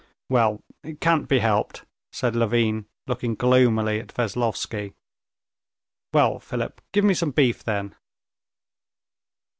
"Well, it can't be helped," said Levin, looking gloomily at Veslovsky. "Well, Philip, give me some beef, then."